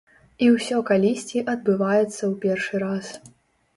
І ўсё калісьці адбываецца ў першы раз.